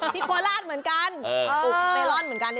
โคราชเหมือนกันปลูกเมลอนเหมือนกัน